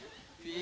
ピ。